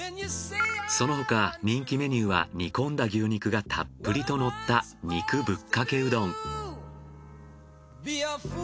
その他人気メニューは煮込んだ牛肉がたっぷりとのった肉ぶっかけうどん。